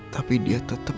tapi ibu males tuh